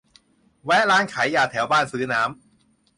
แวะร้านขายยาแถวบ้านซื้อน้ำ